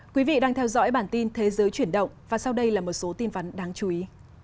quý vị đang theo dõi bản tin thế giới chuyển động và sau đây là một số tin vấn đáng chú ý